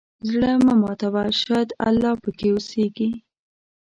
زړه مه ماتوه، شاید الله پکې اوسېږي.